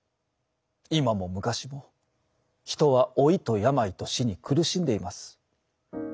今も昔も人は老いと病と死に苦しんでいます。